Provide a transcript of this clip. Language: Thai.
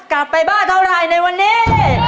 กลับไปบ้านเท่าไรในวันนี้